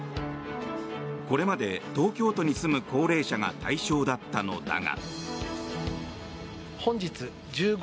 これまで東京都に住む高齢者が対象だったのだが。